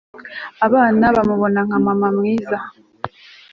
abana bamubona nka mama mwiza